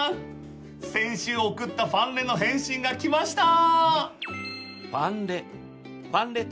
先週送ったファンレの返信が来ました！